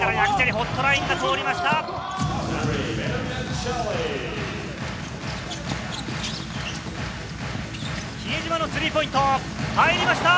ホットラインが通りました。